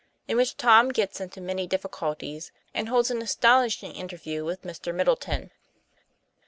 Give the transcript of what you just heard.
IN WHICH TOM GETS INTO MANY DIFFICULTIES, AND HOLDS AN ASTONISHING INTERVIEW WITH MR. MIDDLETON.